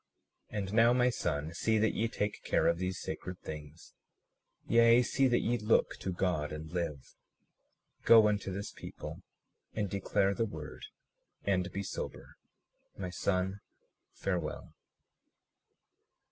37:47 And now, my son, see that ye take care of these sacred things, yea, see that ye look to God and live. Go unto this people and declare the word, and be sober. My son, farewell.